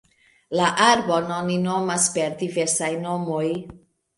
La arbon oni nomas per diversaj nomoj.